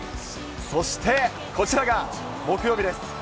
そして、こちらが木曜日です。